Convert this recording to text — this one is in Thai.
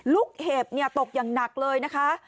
เห็บตกอย่างหนักเลยนะคะ